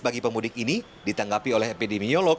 bagi pemudik ini ditanggapi oleh epidemiolog